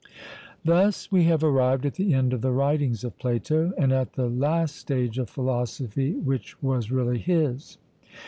... Thus we have arrived at the end of the writings of Plato, and at the last stage of philosophy which was really his.